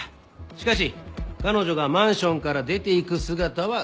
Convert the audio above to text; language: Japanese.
しかし彼女がマンションから出ていく姿は写っていなかった。